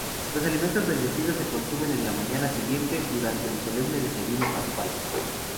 Los alimentos bendecidos se consumen a la mañana siguiente, durante el solemne desayuno pascual.